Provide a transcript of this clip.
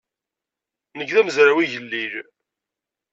Nekk d amezraw igellil.